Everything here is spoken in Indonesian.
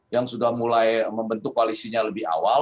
yang sudah mulai membentuk koalisinya lebih awal